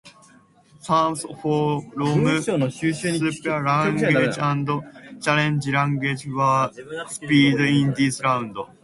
Teams from Super League and Challenge League were seeded in this round.